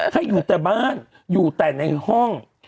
ให้อยู่แต่บ้านอยู่แต่ในห้อง